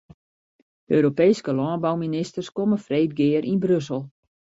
De Europeeske lânbouministers komme freed gear yn Brussel.